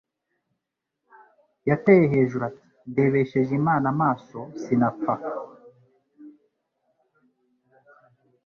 yateye hejuru ati :« ndebesheje Imana amaso sinapfa.»